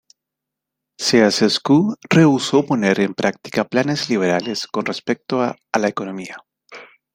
Ceaușescu rehusó poner en práctica planes liberales con respecto a la economía.